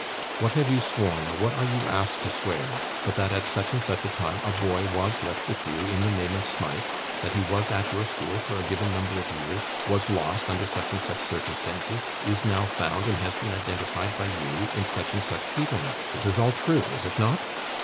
What have you sworn, or what are you asked to swear, but that at such and such a time a boy was left with you in the name of Smike; that he was at your school for a given number of years, was lost under such and such circumstances, is now found, and has been identified by you in such and such keeping? This is all true; is it not?